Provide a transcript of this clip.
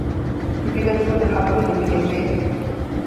ލިބިގަތުމުގެ ޙައްޤު ލިބިގެންވޭ